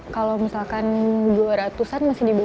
kalau misalkan dua ratusan masih dibeli